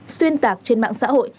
xuyên tạc trên mạng xã hội